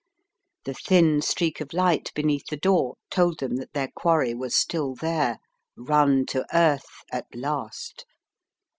The thin streak of light beneath the door told them that their quarry was still there, run to earth at last.